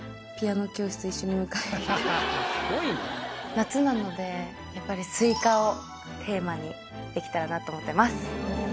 夏なのでやっぱりスイカをテーマに出来たらなと思ってます。